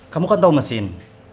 kamu kan tahu mesin